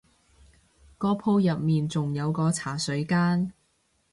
個鋪入面仲有個茶水間